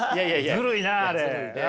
ずるいなあれ。